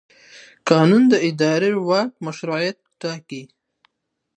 قانون د اداري واک مشروعیت ټاکي.